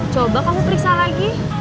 coba kamu periksa lagi